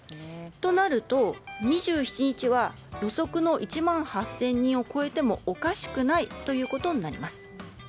となると、２７日は予測の１万８０００人を超えてもおかしくないということになります。